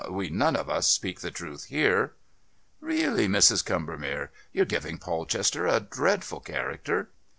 We none of us speak the truth here." "Really, Mrs. Combermere, you're giving Polchester a dreadful character."